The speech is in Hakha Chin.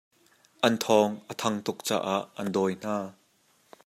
An thawng a thang tuk caah an dawi hna.